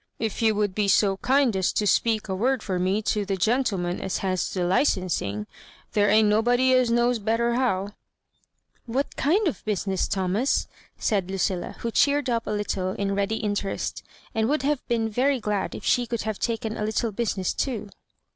If you would be so kind as to speak a word for me to the gentleman as has the hcensing. There ain*t nobody as knows bettei how—" ''What kind of a business, Thomas?" said Lucilla^ who cheered up a little in ready interest, and would have been very glad if she could have taken a little business too.